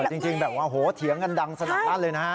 เออจริงแบบว่าโอ้โหเถียงกันดังสนับรัดเลยนะ